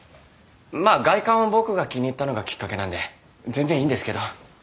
まあ外観を僕が気に入ったのがきっかけなんで全然いいんですけど。